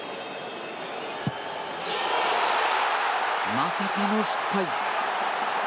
まさかの失敗。